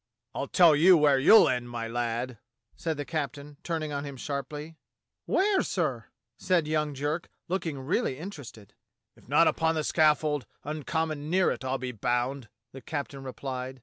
"I'll tell you where you'll end, my lad," said the captain, turning on him sharply. "Where, sir.^^" said young Jerk, looking really in terested. 38 DOCTOR SYN "If not upon the scaffold, uncommon near it, I'll be bound," the captain replied.